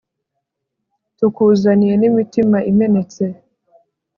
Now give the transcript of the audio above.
tukuzaniye n'imitima imenetse